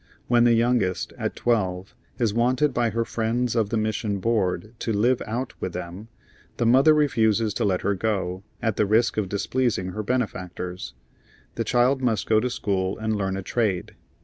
When the youngest, at twelve, is wanted by her friends of the mission board to "live out" with them, the mother refuses to let her go, at the risk of displeasing her benefactors. The child must go to school and learn a trade.